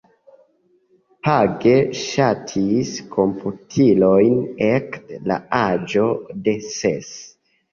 Page ŝatis komputilojn ekde la aĝo de ses.